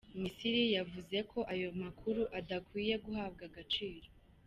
Misiri yavuze ko ayo amakuru adakwiye guhabwa agaciro.